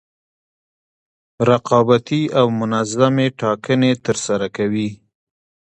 رقابتي او منظمې ټاکنې ترسره کوي.